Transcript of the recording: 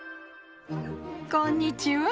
こんにちは。